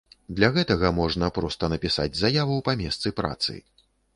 Для гэтага можна проста напісаць заяву па месцы працы.